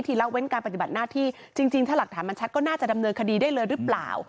ละเว้นการปฏิบัติหน้าที่จริงถ้าหลักฐานมันชัดก็น่าจะดำเนินคดีได้เลยหรือเปล่า